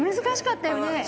難しかったよね